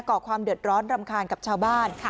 ก่อความเดือดร้อนรำคาญกับชาวบ้าน